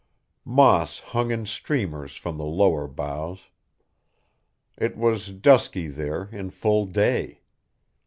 Moss hung in streamers from the lower boughs. It was dusky there in full day.